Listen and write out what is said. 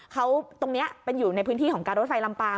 เขาตรงนี้เป็นอยู่ในพื้นที่ของการรถไฟลำปาง